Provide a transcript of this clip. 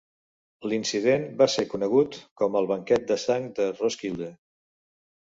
L'incident va ser conegut com el "banquet de sang de Roskilde".